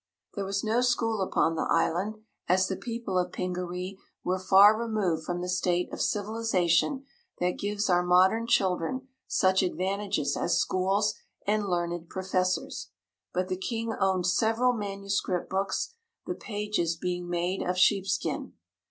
There was no school upon the island, as the people of Pingaree were far removed from the state of civilization that gives our modern children such advantages as schools and learned professors, but the King owned several manuscript books, the pages being made of sheepskin.